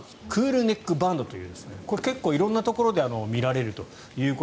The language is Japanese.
クールネックバンドというこれ、色んなところで見られると。